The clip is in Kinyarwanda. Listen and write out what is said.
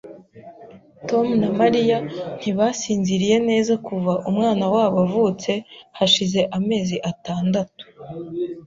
Tom na Mariya ntibasinziriye neza kuva umwana wabo avutse hashize amezi atandatu.